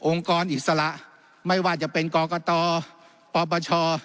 องค์กรอิสระไม่ว่าจะเป็นกรกฎปรบชอ